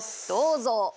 どうぞ。